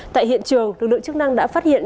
tại hiện trường lực lượng chức năng đã phát hiện